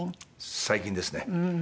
最近ですね。